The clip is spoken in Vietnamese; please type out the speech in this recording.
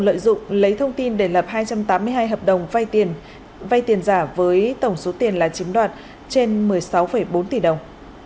lợi dụng lấy thông tin để lập hai trăm tám mươi hai hợp đồng vay tiền giả với tổng số tiền là chiếm đoạt trên một mươi sáu bốn tỷ đồng